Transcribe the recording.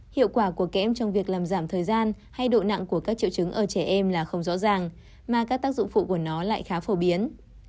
hiệu quả của các em trong việc làm giảm thời gian hay độ nặng của các triệu chứng ở trẻ em là không rõ ràng mà các tác dụng phụ của nó lại khá phổ biến